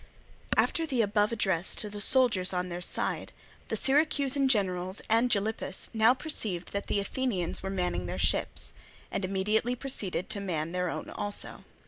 After the above address to the soldiers on their side, the Syracusan generals and Gylippus now perceived that the Athenians were manning their ships, and immediately proceeded to man their own also.